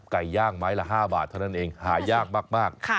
ไก่ย่างไม้ละ๕บาทเท่านั้นเองหายากมาก